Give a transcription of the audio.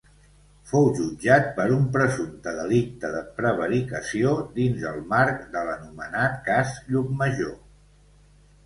Fou jutjat per un presumpte delicte de prevaricació dins el marc de l'anomenat Cas Llucmajor.